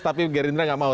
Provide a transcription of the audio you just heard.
tapi geri indra nggak mau